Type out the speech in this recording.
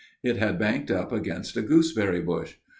It had banked up against a gooseberry bush.